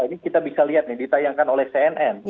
ini kita bisa lihat nih ditayangkan oleh cnn